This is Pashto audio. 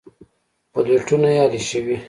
پلېټونه يې الېشوي.